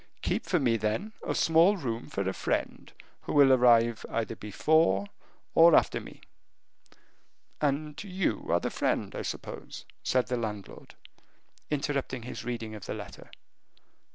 Keep for me, then, a small room for a friend who will arrive either before or after me ' and you are the friend, I suppose," said the landlord, interrupting his reading of the letter.